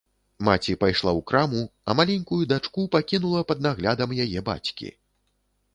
Маці пайшла ў краму, а маленькую дачку пакінула пад наглядам яе бацькі.